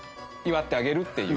祝ってあげるっていう。